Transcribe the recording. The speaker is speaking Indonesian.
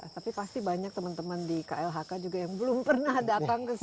tapi pasti banyak teman teman di klhk juga yang belum pernah datang ke sini